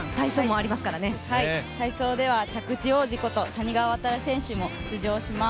体操では、着地王子こと谷川航選手も出場します。